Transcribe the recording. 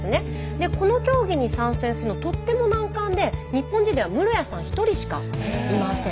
でこの競技に参戦するのとっても難関で日本人では室屋さん１人しかいません。